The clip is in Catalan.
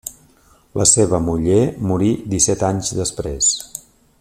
La seva muller morí disset anys després.